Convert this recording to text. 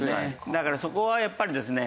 だからそこはやっぱりですね。